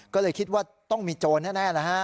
ก็เลยคิดว่าต้องมีโจรแน่แล้วฮะ